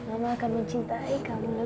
apakah kita harus hilangnya